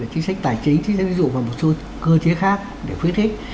chính sách tài chính chính sách ví dụ và một số cơ chế khác để khuyến khích